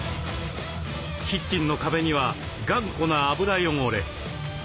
キッチンの壁には頑固な油汚れ。